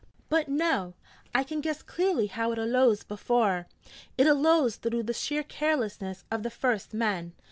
'But no! I can guess clearly how it alose before: it alose thlough the sheer carelessness of the first men.